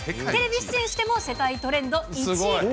テレビ出演しても世界トレンド１位。